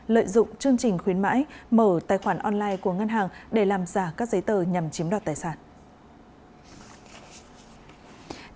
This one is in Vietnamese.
lợi dụng chương trình khuyến mãi mở tài khoản online của ngân hàng để làm giả các giấy tờ nhằm chiếm đoạt tài sản